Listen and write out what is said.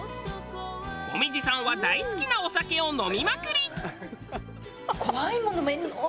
紅葉さんは大好きなお酒を飲みまくり。